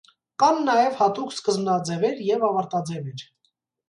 Կան նաև հատուկ սկզբնաձևեր և ավարտաձևեր։